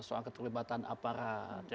soal keterlibatan aparat